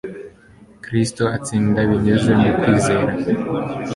Kristo atsinda binyuze mu kwizera.